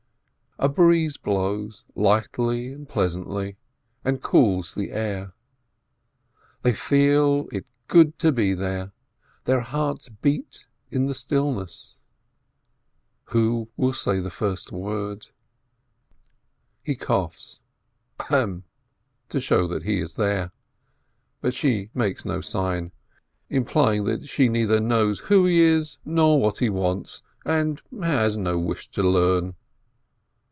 A breeze blows, lightly and pleasantly, and cools the air. They feel it good to be there, their hearts beat in the stillness. Who will say the first word? He coughs, ahem ! to show that he is there, but she makes no sign, implying that she neither knows who he is, nor what he wants, and has no wish to learn.